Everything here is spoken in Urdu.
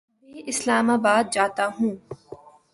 جب بھی اسلام آباد جاتا ہوں